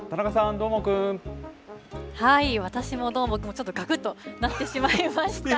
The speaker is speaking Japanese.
私もどーもくんもちょっとがくっとなってしまいました。